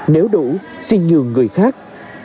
nếu đủ xin nhường người khác